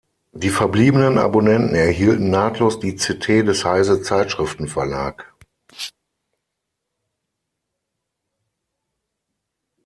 Die verbliebenen Abonnenten erhielten nahtlos die "c’t" des Heise Zeitschriften Verlag.